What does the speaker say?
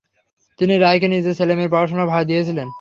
তিনি রায়কে নিজের ছেলেমেয়ের পড়াশোনার ভার দিয়েছিলেন।